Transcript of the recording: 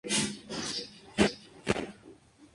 Por ello se le conoce como "el padre de la poesía sueca".